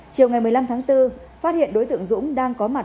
chiều ngày một mươi năm tháng bốn phát hiện đối tượng dũng đang có mặt